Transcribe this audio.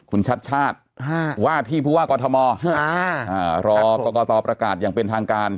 คุณชัดชาติว่าที่ผู้ว่ากอทมรอกรกตประกาศอย่างเป็นทางการ